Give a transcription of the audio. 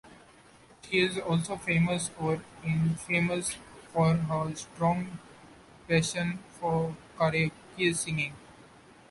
She is also famous, or infamous, for her strong passion for karaoke singing.